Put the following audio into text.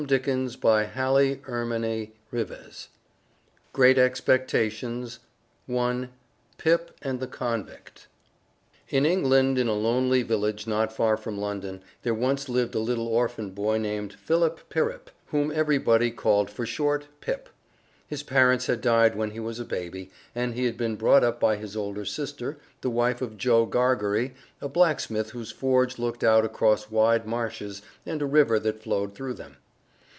Pip's comrade in London GREAT EXPECTATIONS I PIP AND THE CONVICT In England, in a lonely village not far from London, there once lived a little orphan boy named Philip Pirrip, whom everybody called, for short, "Pip." His parents had died when he was a baby, and he had been brought up by his older sister, the wife of Joe Gargery, a blacksmith whose forge looked out across wide marshes and a river that flowed through them.